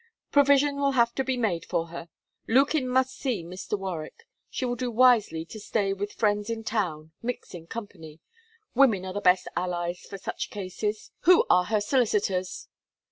'Provision will have to be made for her. Lukin must see Mr. Warwick. She will do wisely to stay with friends in town, mix in company. Women are the best allies for such cases. Who are her solicitors?'